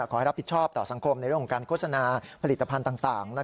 ขอให้รับผิดชอบต่อสังคมในเรื่องของการโฆษณาผลิตภัณฑ์ต่าง